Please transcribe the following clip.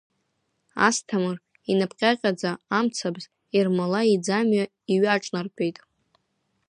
Асҭамыр инап ҟьаҟьа амцабз Ермолаи иӡамҩа иҩаҿанартәеит.